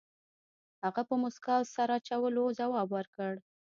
هغه په موسکا او سر اچولو ځواب ورکړ.